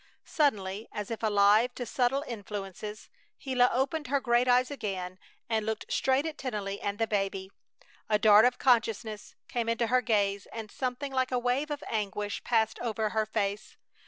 Suddenly, as if alive to subtle influences, Gila opened her great eyes again and looked straight at Tennelly and the baby! A dart of consciousness came into her gaze and something like a wave of anguish passed over her face.